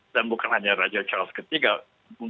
dan bukan hanya raja charles iii